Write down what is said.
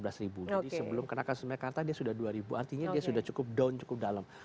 jadi sebelum kena kasus mekarta dia sudah dua artinya dia sudah cukup down cukup dalam